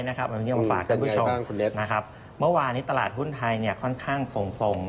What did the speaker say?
มาฝากให้ผู้ชมนะครับเมื่อวานี้ตลาดหุ้นไทยค่อนข้างส่ง